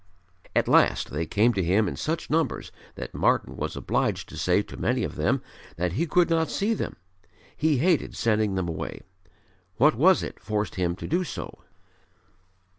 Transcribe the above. At last they came to him in such numbers that Martyn was obliged to say to many of them that he could not see them. He hated sending them away. What was it forced him to do so?